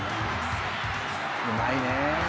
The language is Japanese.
うまいね。